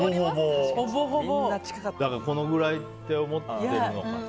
だからこのくらいって思ってるのかな。